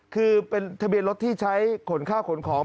คือเป็นทะเบียนรถที่ใช้ขนข้าวขนของ